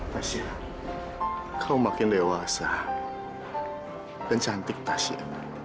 tasya kau makin lewasa dan cantik tasya